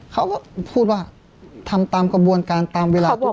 เขาก็พูดว่าทำตามกระบวนการตามเวลา